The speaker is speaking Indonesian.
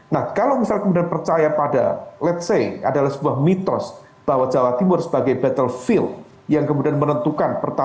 nah kalau misal kemudian percaya pada ⁇ lets ⁇ say adalah sebuah mitos bahwa jawa timur sebagai battlefield yang kemudian menentukan